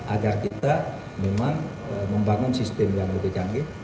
agar kita memang membangun sistem yang lebih canggih